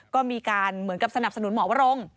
ก็มีการเหมือนกับสนับสนุนหมอวรงค์